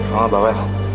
oh abang wael